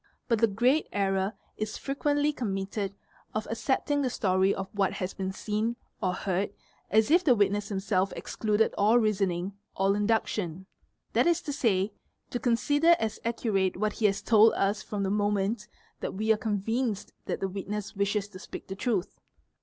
But the great error is frequently com mitted of accepting the story of what has been seen or heard as if the witness himself excluded all reasoning, all induction: that is to say, to" consider as accurate what he has told us from the moment that we are convinced that the witness wishes to speak the truth.